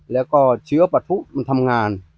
แล้วก็เชื้อปะทุมันทำงาน